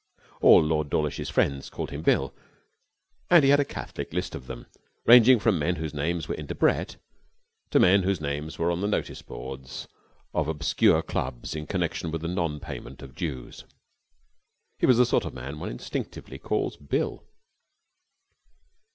All Lord Dawlish's friends called him Bill, and he had a catholic list of them, ranging from men whose names were in 'Debrett' to men whose names were on the notice boards of obscure clubs in connexion with the non payment of dues. He was the sort of man one instinctively calls Bill.